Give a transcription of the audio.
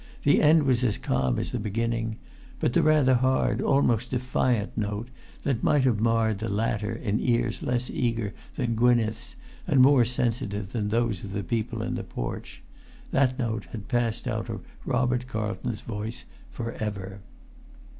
The end was as calm as the beginning; but the rather hard, almost defiant note, that might have marred the latter in ears less eager than Gwynneth's and more sensitive than those of the people in the porch, that note had passed out of Robert Carlton's voice for ever.